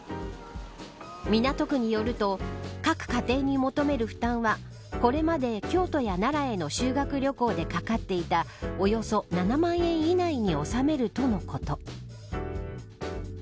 港区によると各家庭に求める負担はこれまで京都や奈良への修学旅行でかかっていたおよそ７万円以内に収めるとのこと。